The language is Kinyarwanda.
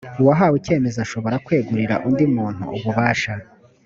uwahawe icyemezo ashobora kwegurira undi muntu ububasha